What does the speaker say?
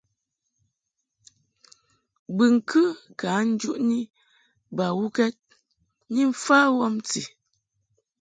Bɨŋkɨ ka njuʼni bawukɛd ni mfa wɔmti.